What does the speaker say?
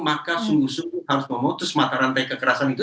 maka sungguh sungguh harus memutus mata rantai kekerasan itu